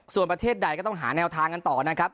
ส่วนประเทศใดก็ต้องหาแนวทางกันต่อนะครับ